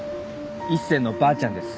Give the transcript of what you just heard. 一星のばあちゃんです。